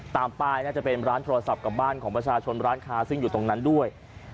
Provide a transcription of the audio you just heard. ตามป้ายน่าจะเป็นร้านโทรศัพท์กับบ้านของประชาชนร้านค้าซึ่งอยู่ตรงนั้นด้วย